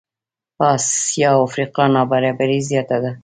په آسیا او افریقا نابرابري زیاته ده.